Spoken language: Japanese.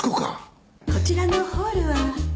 こちらのホールは？